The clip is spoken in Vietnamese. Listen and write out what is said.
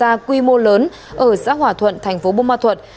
cần xa quy mô lớn ở xã hòa thuận thành phố buôn ma thuật